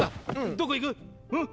どこ行く？ん？